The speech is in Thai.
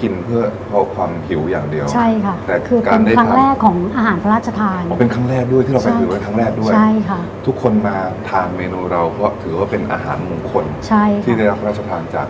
กินเพื่อเป็นมงคลกับชีวิตไม่ใช่กินเพื่อยังเดียว